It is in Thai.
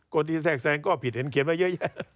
ที่แทรกแซงก็ผิดเห็นเขียนไว้เยอะแยะ